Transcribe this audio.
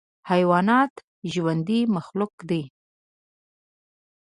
حیوانات ژوندی مخلوق دی.